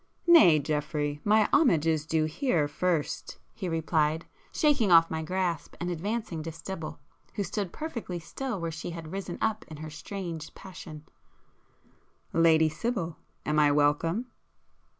"Nay, Geoffrey, my homage is due here first,"—he replied, shaking off my grasp, and advancing to Sibyl, who stood perfectly still where she had risen up in her strange passion—"Lady Sibyl, am I welcome?"